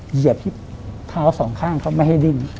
เหยียบที่เท้าสองข้างเขาไม่ให้ดิ้น